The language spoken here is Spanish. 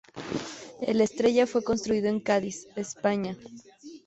El "Estrella" fue construido en Cádiz, España, ca.